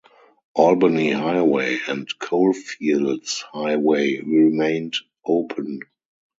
Albany Highway and Coalfields Highway remained open.